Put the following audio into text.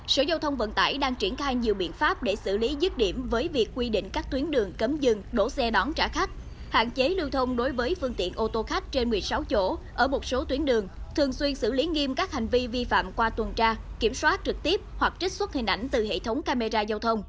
sở giao thông vận tải đang triển khai nhiều biện pháp để xử lý dứt điểm với việc quy định các tuyến đường cấm dừng đổ xe đón trả khách hạn chế lưu thông đối với phương tiện ô tô khách trên một mươi sáu chỗ ở một số tuyến đường thường xuyên xử lý nghiêm các hành vi vi phạm qua tuần tra kiểm soát trực tiếp hoặc trích xuất hình ảnh từ hệ thống camera giao thông